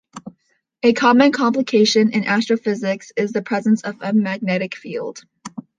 A common complication in astrophysics is the presence of a magnetic field.